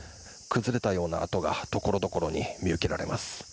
崩れたような跡がところどころに見受けられます。